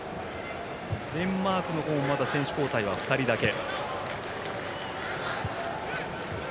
デンマークの方もまだ選手交代は２人だけ。